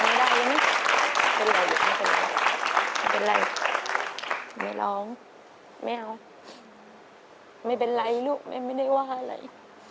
ไม่ได้ว่าอะไร